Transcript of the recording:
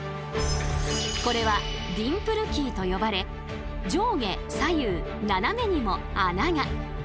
これはディンプルキーと呼ばれ上下左右斜めにも穴が。